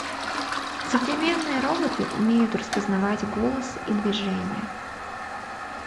Современные роботы умеют распознавать голос и движения.